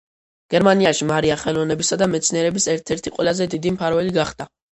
გერმანიაში მარია ხელოვნებისა და მეცნეირების ერთ-ერთი ყველაზე დიდი მფარველი გახდა.